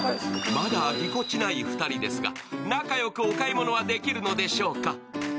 まだぎこちない２人ですが仲良くお買い物はできるのでしょうか？